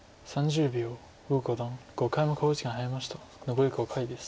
残り５回です。